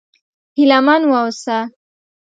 هيله من و اوسه!